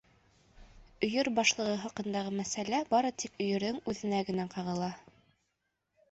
Өйөр башлығы хаҡындағы мәсьәлә бары тик Өйөрҙөң үҙенә генә ҡағыла.